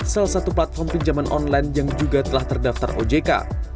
salah satu platform pinjaman online yang juga telah terdaftar ojk